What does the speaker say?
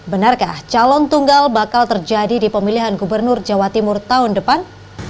benarkah calon tunggal bakal terjadi di pemilihan gubernur jawa timur tahun depan